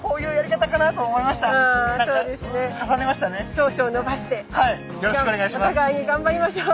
長所を伸ばしてお互いに頑張りましょう！